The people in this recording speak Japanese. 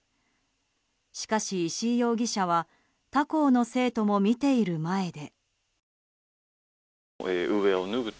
しかし、石井容疑者は他校の生徒も見ている前で。